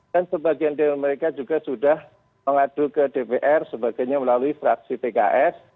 dan sebagian dari mereka juga sudah mengadu ke dpr sebagainya melalui fraksi tks